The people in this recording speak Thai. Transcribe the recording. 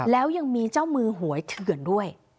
แล้วยังมีเจ้ามือหวยเถื่อนด้วย